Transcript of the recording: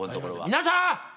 皆さん！